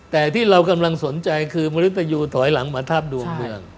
แต่ที่เรากำลังสนใจคือมนุษยูถอยหลังมาทาบดวงเมือง